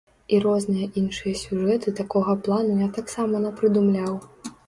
І розныя іншыя сюжэты такога плану я таксама напрыдумляў.